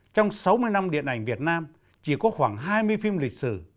trong sáu mươi năm điện ảnh việt nam chỉ có khoảng hai mươi phim lịch sử